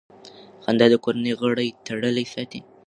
خندا د کورنۍ غړي تړلي ساتي.